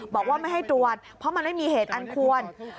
บอกว่าไม่ให้ตรวจเพราะมันไม่มีเหตุอันควร